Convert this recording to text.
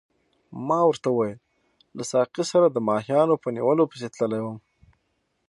ما ورته وویل له ساقي سره د ماهیانو په نیولو پسې تللی وم.